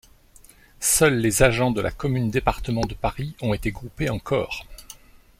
Seuls les agents de la commune-département de Paris ont été groupés en corps.